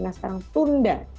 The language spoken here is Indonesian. nah sekarang tunda